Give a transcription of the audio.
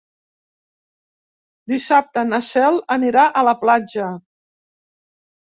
Dissabte na Cel anirà a la platja.